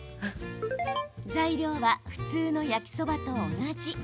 材料は、普通の焼きそばと同じ。